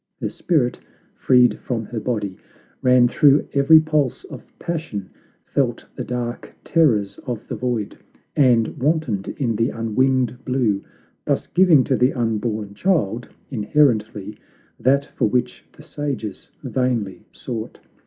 Her spirit, freed from her body, ran through every pulse of passion, felt the dark terrors of the Void, and wantoned in the unwinged blue; thus giving to the unborn child, inherently, that for which the sages vainly sought.